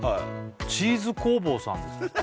チーズ工房さんです